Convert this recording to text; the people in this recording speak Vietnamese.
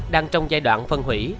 đang trong giai đoạn phân hủy